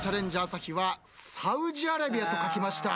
朝日は「サウジアラビア」と書きました。